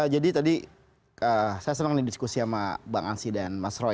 jadi tadi saya senang ini diskusi sama bang ansyi dan mas roy